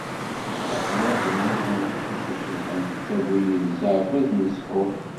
Tafya temmug am teqcict icebḥen, tettawi yid-s aɛekkaz n ssḥur.